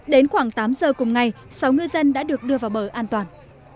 đến khoảng tám giờ cùng ngày sáu ngư dân đã được đưa vào bờ an toàn